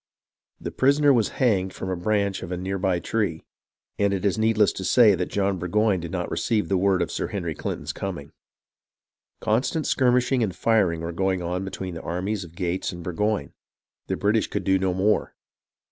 The prisoner was hanged from a branch of a near by tree, and it is needless to state that John Burgoyne did not receive the word of Sir Henry Clinton's coming. Constant skirmishing and firing were going on between the armies of Gates and Burgoyne. The British could do no more.